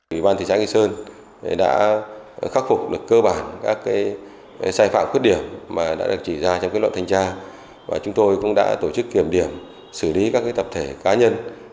ủy ban thị xã nghi sơn đã khắc phục được cơ bản các sai phạm khuyết điểm mà đã được chỉ ra trong kết luận thanh tra và chúng tôi cũng đã tổ chức kiểm điểm xử lý các tập thể cá nhân